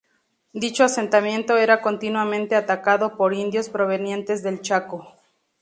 Dicho asentamiento era continuamente atacado por indios provenientes del Chaco.